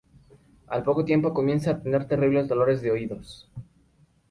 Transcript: Al poco tiempo comienza a tener terribles dolores de oídos.